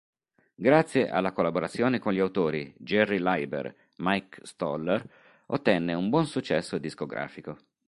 Grazie alla collaborazione con gli autori Jerry Leiber-Mike Stoller ottenne un buon successo discografico.